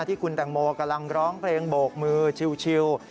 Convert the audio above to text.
ที่คุณแตงโมกำลังร้องเพลงโบกมือชิว